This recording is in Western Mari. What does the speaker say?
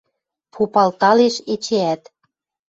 Попалталеш эчеӓт.